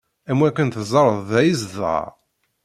Am wakken teẓẓareḍ da i zedɣeɣ.